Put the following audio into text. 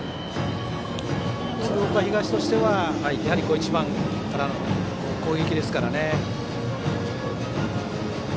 鶴岡東としてはやはり１番からの攻撃ですからね。